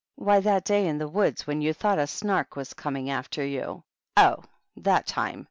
" Why, that day in the woods when you thought a Snark was coming after you!" "Oh, that time!"